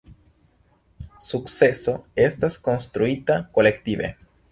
Sukceso estas konstruita kolektive.